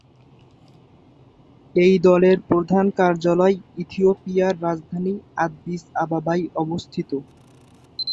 এই দলের প্রধান কার্যালয় ইথিওপিয়ার রাজধানী আদ্দিস আবাবায় অবস্থিত।